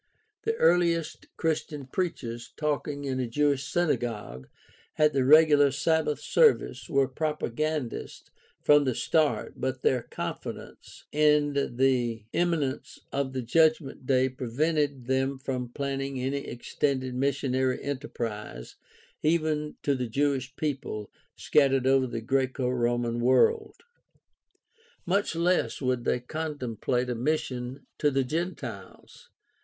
The earliest Christian preachers talking in a Jewish synagogue at the regular Sabbath service were propagandists from the start, but their confidence in the immi THE STUDY OF EARLY CHRISTIANITY 277 nence of the judgment day prevented them from planning any extended missionary enterprise even to the Jewish people scattered over the Graeco Roman world. Much less would they contemplate a mission to the Gentiles.